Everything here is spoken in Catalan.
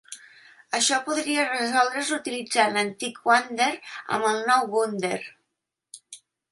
Això podria resoldre's utilitzant l'antic "wander" amb el nou "wunder".